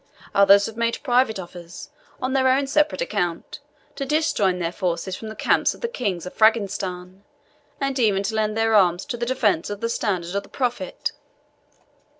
Others have made private offers, on their own separate account, to disjoin their forces from the camp of the Kings of Frangistan, and even to lend their arms to the defence of the standard of the Prophet.